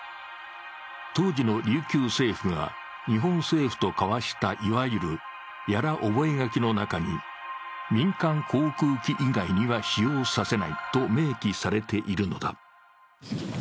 当時の琉球政府が日本政府と交わした、いわゆる屋良覚書の中に民間航空機以外には使用させないと明記されているのだ。